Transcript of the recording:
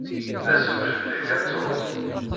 Azul fell-ak a Tom.